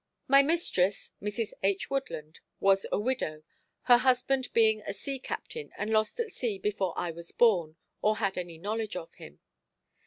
My mistress, Mrs. H. Woodland, was a widow—her husband being a sea captain and lost at sea before I was born or had any knowledge of him.